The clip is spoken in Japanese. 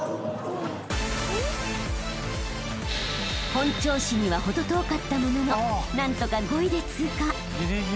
［本調子には程遠かったものの何とか５位で通過］